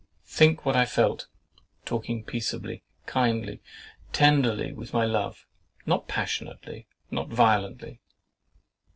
Think what I felt, talking peaceably, kindly, tenderly with my love,—not passionately, not violently.